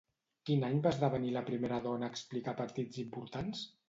Quin any va esdevenir la primera dona a explicar partits importants?